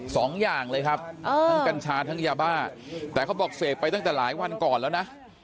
สองอย่างเลยครับทั้งกัญชาทั้งยาบ้าแต่เขาบอกเสพไปตั้งแต่หลายวันก่อนแล้วนะ